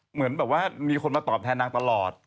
เหมือนแบบว่ามีคนมาตอบแทนนางตลอด